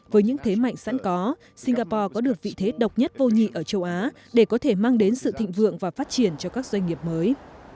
với những thế mạnh sẵn có singapore có được vị thế độc nhất vô nhị ở châu á để có thể mang đến sự thịnh vượng và phát triển cho các doanh nghiệp mới